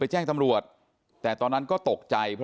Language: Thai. อันนี้แม่งอียางเนี่ย